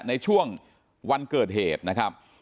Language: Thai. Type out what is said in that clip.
ในช่วงวันเกิดเหตุนะครับ